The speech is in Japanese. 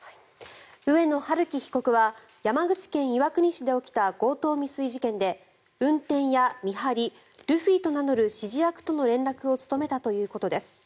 上野晴生被告は山口県岩国市で起きた強盗未遂事件で、運転や見張りルフィと名乗る指示役との連絡を務めたということです。